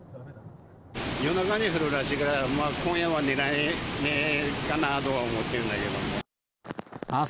夜中に降るらしいから、今夜は寝られないかなとは思ってるんだけども。